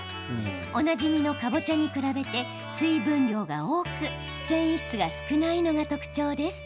おなじみのかぼちゃに比べて水分量が多く繊維質が少ないのが特徴です。